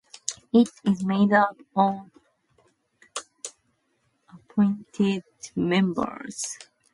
It is made up of appointed members, including life peers, bishops, and hereditary peers.